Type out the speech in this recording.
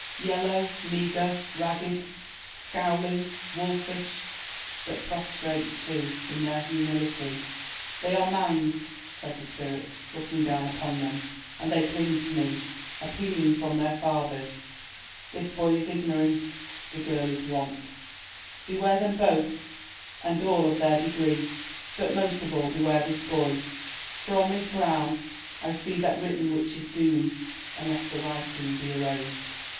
Yellow, meagre, ragged, scowling, wolfish; but prostrate, too, in their humility. ... 'They are Man's,' said the Spirit, looking down upon them. 'And they cling to me, appealing from their fathers. This boy is Ignorance. This girl is Want. Beware them both, and all of their degree, but most of all beware this boy, for on his brow I see that written which is Doom, unless the writing be erased.'"